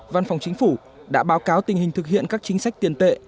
văn phòng chính phủ đã báo cáo tình hình thực hiện các chính sách tiền tệ